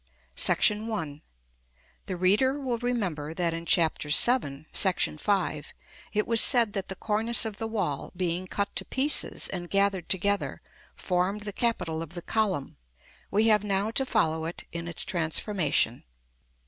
§ I. The reader will remember that in Chap. VII. § V. it was said that the cornice of the wall, being cut to pieces and gathered together, formed the capital of the column. We have now to follow it in its transformation.